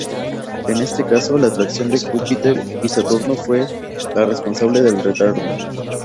En este caso, la atracción de Júpiter y Saturno fue la responsable del retardo.